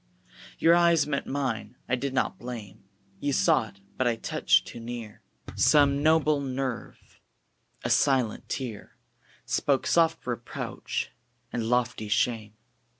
Your eyes met mine: I did not blame; You saw it: but I touched too near Some noble nerve; a silent tear Spoke soft reproach, and lofty shame.